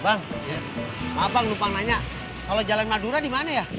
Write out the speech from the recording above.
bang lupa nanya kalau jalan madura di mana ya